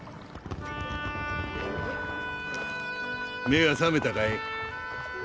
目が覚めたかい？